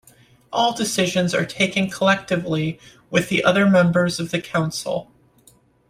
All decisions are taken collectively with the other members of the Council.